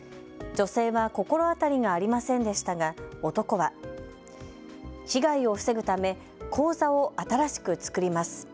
女性は心当たりがありませんでしたが、男は被害を防ぐため口座を新しく作ります。